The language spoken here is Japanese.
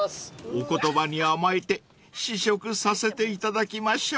［お言葉に甘えて試食させていただきましょう］